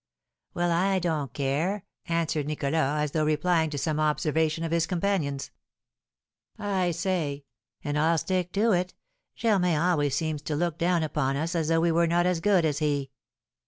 "Well, I don't care!" answered Nicholas, as though replying to some observation of his companions; "I say and I'll stick to it Germain always seems to look down upon us as though we were not as good as he."